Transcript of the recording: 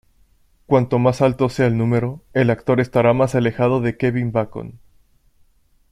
Cuanto más alto sea el número, el actor estará más alejado de Kevin Bacon.